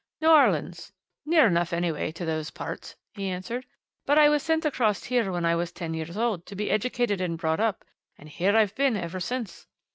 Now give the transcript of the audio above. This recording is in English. "New Orleans near enough, anyway, to those parts," he answered. "But I was sent across here when I was ten years old, to be educated and brought up, and here I've been ever since."